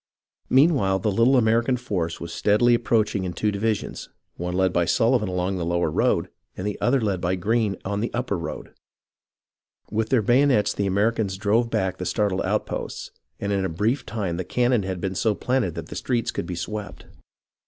Meanwhile, the little American force was steadily ap proaching in two divisions ; one led by Sullivan along the lower road, and the other led by Greene on the upper road. 142 HISTORY OF THE AMERICAN REVOLUTION With their bayonets the Americans drove back the startled outposts, and in a brief time the cannon had been so planted that the streets could be swept.